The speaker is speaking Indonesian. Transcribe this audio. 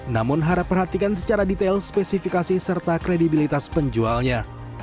namun harap perhatikan secara detail spesifikasi serta kredibilitas penjualnya